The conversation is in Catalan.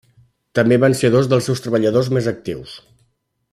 També van ser dos dels seus treballadors més actius.